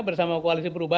bersama koalisi perubahan